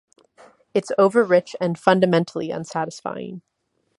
It's overrich and fundamentally unsatisfying...